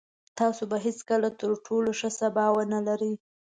تاسو به هېڅکله تر ټولو ښه سبا ونلرئ.